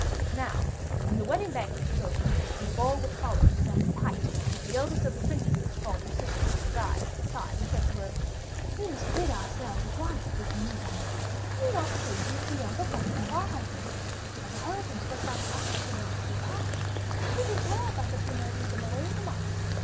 Now, when the wedding banquet was over, and the ball which followed was at its height, the eldest of the princesses called her sister, the bride, aside and said to her: "We must rid ourselves at once of this newcomer. Do you not see that he is the younger brother of our husbands? I beheld him stretch out his arms to them as they passed. Who can tell but that he may lead them away from us?